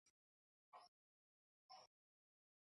Partir la diferència.